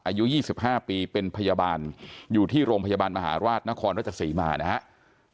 อายุ๒๕ปีเป็นพยาบาลอยู่ที่โรงพยาบาลมหาราชนครรัชศรีมานะครับ